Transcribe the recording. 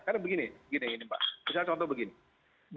karena begini misalnya contoh begini